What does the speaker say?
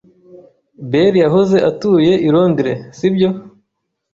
Bell yahoze atuye i Londres, si byo?